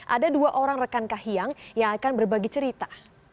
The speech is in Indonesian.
ada dua orang rekan kahiyang yang akan berbagi cerita